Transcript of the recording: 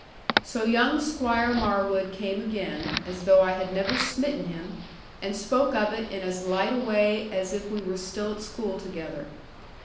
So young Squire Marwood came again, as though I had never smitten him, and spoke of it in as light a way as if we were still at school together.